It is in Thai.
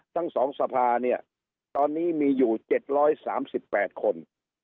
ทั้งสองสภาเนี่ยตอนนี้มีอยู่เจ็ดร้อยสามสิบแปดคน